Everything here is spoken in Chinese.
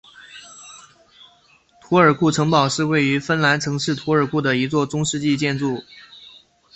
图尔库城堡是位于芬兰城市图尔库的一座中世纪建筑。